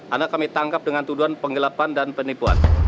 anak kami tangkap dengan tuduhan penggelapan dan penipuan